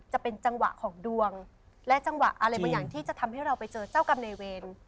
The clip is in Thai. จะเป็นจังหวะของดวงและจังหวะอะไรบางอย่างที่จะทำให้เราไปเจอเจ้ากรรมในเวร